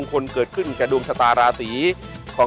มงคลเกิดขึ้นกระดวงชะตาราสีของข้าเจ้า